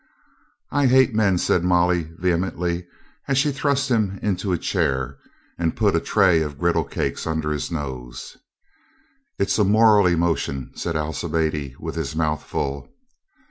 "I hate men," said Molly vehemently as she thrust him into a chair and put a tray of gridle cakes under his nose. "It's a moral emotion," said Alcibiade with his mouth full.